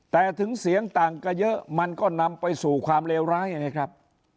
แต่ถึงเสียงต่างก็เยอะมันก็นำไปสู่ความเลวร้ายไงครับ